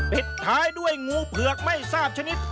ปิดท้ายด้วยงูเผือกไม่ทราบชนิด